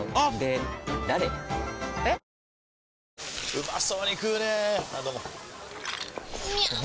うまそうに食うねぇあどうもみゃう！！